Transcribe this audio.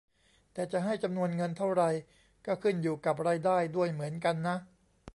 แต่จะให้จำนวนเงินเท่าไรก็ขึ้นอยู่กับรายได้ด้วยเหมือนกันนะ